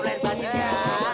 mau lair bajar